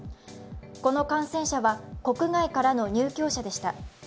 この感染者は国外からの入境者でした。